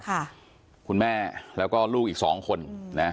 คุณแม่แล้วก็ลูกอีกสองคนนะ